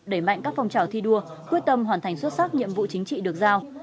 đẩy mạnh các phong trào thi đua quyết tâm hoàn thành xuất sắc nhiệm vụ chính trị được giao